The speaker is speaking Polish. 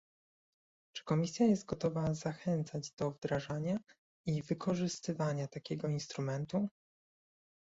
Czy Komisja jest gotowa zachęcać do wdrażania i wykorzystywania takiego instrumentu?